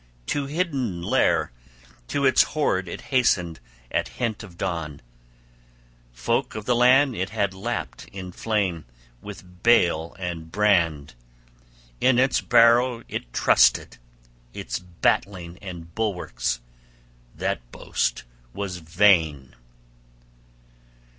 To hidden lair, to its hoard it hastened at hint of dawn. Folk of the land it had lapped in flame, with bale and brand. In its barrow it trusted, its battling and bulwarks: that boast was vain!